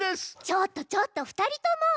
ちょっとちょっと２人とも！